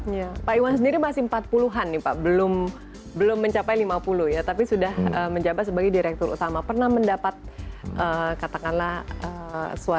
ya pak iwan sendiri masih empat puluh an nih pak belum mencapai lima puluh ya tapi sudah menjabat sebagai direktur utama pernah mendapat katakanlah suara